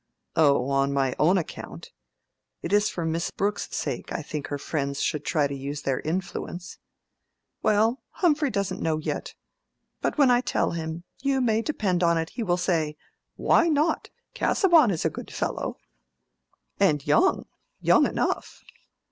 "Oh, on my own account—it is for Miss Brooke's sake I think her friends should try to use their influence." "Well, Humphrey doesn't know yet. But when I tell him, you may depend on it he will say, 'Why not? Casaubon is a good fellow—and young—young enough.